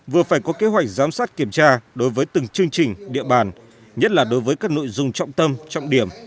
vừa phải có kế hoạch giám sát kiểm tra đối với từng chương trình địa bàn nhất là đối với các nội dung trọng tâm trọng điểm